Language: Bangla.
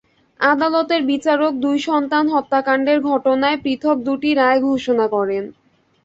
আদালতের বিচারক দুই সন্তান হত্যাকাণ্ডের ঘটনায় পৃথক দুটি রায় ঘোষণা করেন।